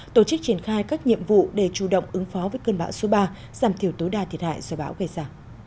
tổ chức triển khai các nhiệm vụ để chủ động ứng phó với cơn bão số ba giảm thiểu tối đa thiệt hại do bão gây ra